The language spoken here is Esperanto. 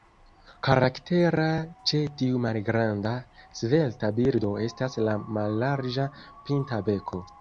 Karaktera ĉe tiu malgranda, svelta birdo estas la mallarĝa, pinta beko.